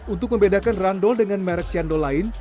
untuk membedakan randol dengan merek cendol lain